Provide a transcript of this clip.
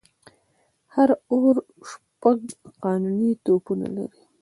هر آور شپږ قانوني توپونه لري.